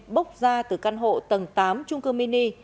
bốc ra từ căn hộ tầng tám trung cư mini